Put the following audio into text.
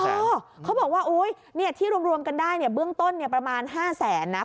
ไม่พอเขาบอกว่าที่รวมกันได้เบื้องต้นประมาณ๕๐๐๐๐๐บาท